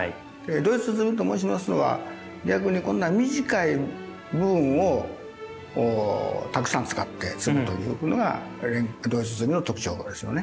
ドイツ積みと申しますのは逆に短い部分をたくさん使って積むというのがドイツ積みの特徴ですよね。